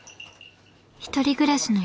一人暮らしの與